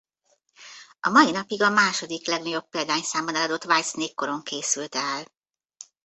A mai napig a második legnagyobb példányszámban eladott Whitesnake korong készült el.